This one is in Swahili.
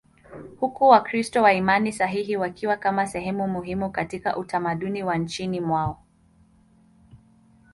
huku Wakristo wa imani sahihi wakiwa kama sehemu muhimu katika utamaduni wa nchini mwao.